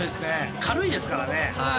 軽いですからね。